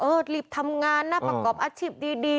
รีบทำงานนะประกอบอาชีพดี